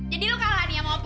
jadi lu kalah nih sama opi